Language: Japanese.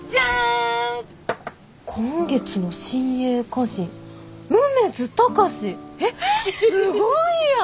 「今月の新鋭歌人梅津貴司」！えっすごいやん！